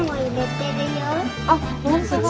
あっ本当だ。